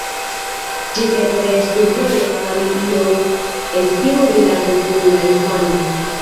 Ĝi nepre estu volo fari ion el tiu rilato kun la infano.